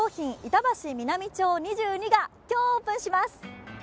板橋南町２２が今日オープンします。